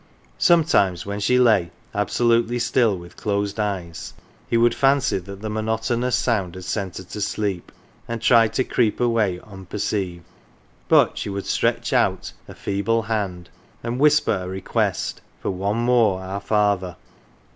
Sometimes when she lay absolutely still with closed eyes, he would fancy that the mono tonous sound had sent her to sleep, and try to creep away unperceived, but she would stretch out a feeble hand and whisper a request for "one more 'Our Father.